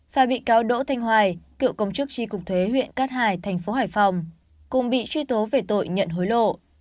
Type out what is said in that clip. và bị cáo đỗ thanh hoài cựu công chức tri cục thuế huyện cát hải thành phố hải phòng cùng bị truy tố về tội nhận hối lộ